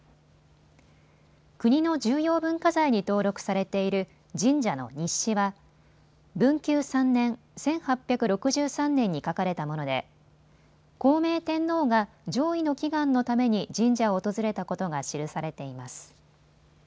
国の重要文化財に登録されている神社の日誌は文久３年、１８６３年に書かれたもので孝明天皇が攘夷の祈願のために神社を訪れたことが記されています。